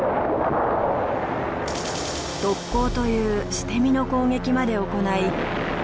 特攻という捨て身の攻撃まで行い。